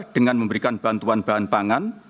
dengan memberikan bantuan bahan pangan